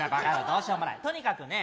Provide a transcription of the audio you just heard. どうしようもないとにかくね